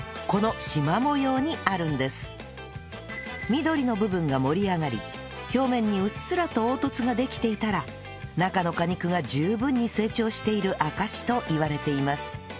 緑の部分が盛り上がり表面にうっすらと凹凸ができていたら中の果肉が十分に成長している証しといわれています